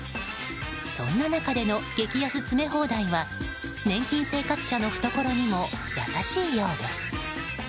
そんな中での激安詰め放題は年金生活者の懐にも優しいようです。